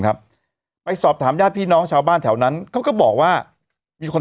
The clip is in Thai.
ครับไปสอบถามญาติพี่น้องชาวบ้านแถวนั้นเขาก็บอกว่ามีคน